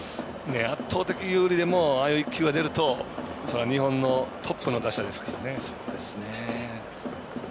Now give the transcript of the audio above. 圧倒的有利でもああいう１球出ると日本のトップの打者ですからね。